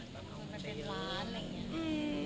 มันเป็นล้านอะไรอย่างนี้